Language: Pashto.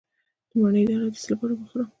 د مڼې دانه د څه لپاره مه خورم؟